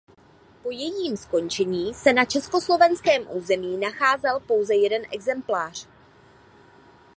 Po jejím skončení se na československém území nacházel pouze jeden exemplář.